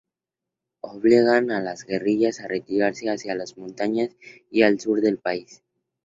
Obligan a las guerrillas a retirarse hacia las montañas y al sur del país.